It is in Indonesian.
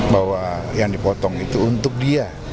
bahwa yang dipotong itu untuk dia